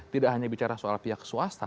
tidak hanya bicara soal pihak swasta